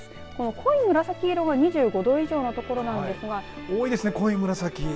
濃い紫色のところが２５度以上の所なんですが多いですね、濃い紫。